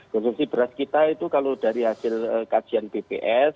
konsumsi beras kita itu kalau dari hasil kajian bps